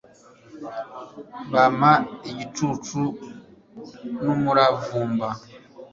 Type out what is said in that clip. bampa igicuncu n' umuravumba